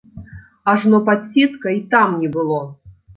Ажно падсітка й там не было.